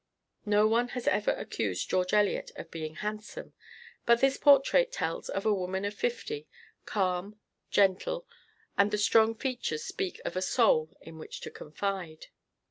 No one has ever accused George Eliot of being handsome, but this portrait tells of a woman of fifty: calm, gentle, and the strong features speak of a soul in which to confide.